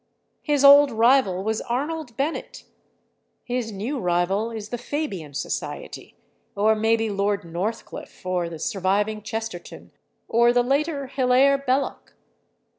His old rival was Arnold Bennett. His new rival is the Fabian Society, or maybe Lord Northcliffe, or the surviving Chesterton, or the later Hillaire Belloc.